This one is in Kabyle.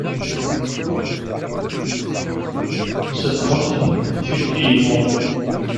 Tenna-d dakken kečč d umliḥ.